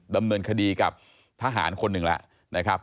ดำเนินคดีกับทหารคนหนึ่งแล้วนะครับ